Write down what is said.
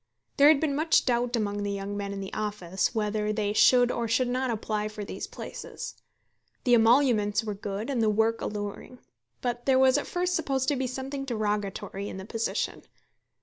There had been much doubt among the young men in the office whether they should or should not apply for these places. The emoluments were good and the work alluring; but there was at first supposed to be something derogatory in the position.